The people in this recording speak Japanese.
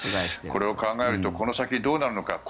これを考えるとこの先どうなるのか。